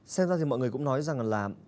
xem ra thì mọi người cũng nói rằng là